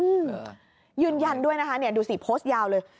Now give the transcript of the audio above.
อืมยืนยันด้วยนะคะเนี่ยดูสิโพสต์ยาวเลย